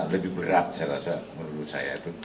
lebih berat saya rasa menurut saya